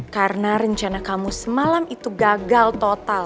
karena rencana kamu semalam itu gagal total